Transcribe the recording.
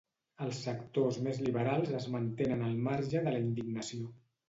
Els sectors més liberals es mantenen el marge de la indignació.